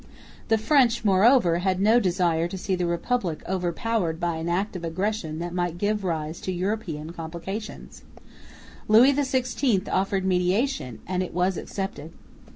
The French, moreover, had no desire to see the Republic over powered by an act of aggression that might give rise to European complications. Louis XVI offered mediation, and it was accepted.